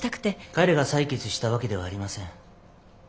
彼が裁決したわけではありません。